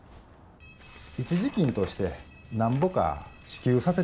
一時金としてなんぼか支給させていただきたい。